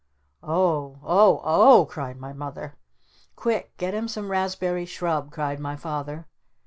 "Oh Oh OH!" cried my Mother. "Quick! Get him some raspberry shrub," cried my Father.